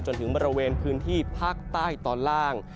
จนถึงบริเวณพื้นที่ภาคใต้ตอนล่าง